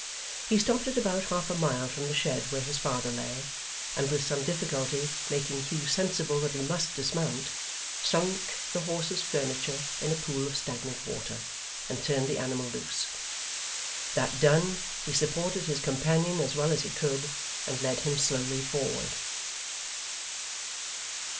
He stopped at about half a mile from the shed where his father lay, and with some difficulty making Hugh sensible that he must dismount, sunk the horse's furniture in a pool of stagnant water, and turned the animal loose. That done, he supported his companion as well as he could, and led him slowly forward.